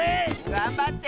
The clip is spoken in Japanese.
がんばって！